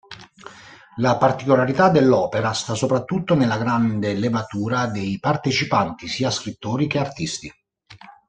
La particolarità dell'opera sta soprattutto nella grande levatura dei partecipanti, sia scrittori che artisti.